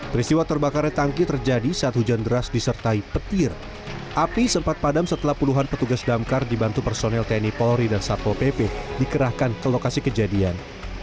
peristiwa terbakarnya tangki terjadi saat hujan deras disertai petir api sempat padam setelah puluhan petugas damkar dibantu personel tni polri dan satpol pp dikerahkan ke lokasi kejadian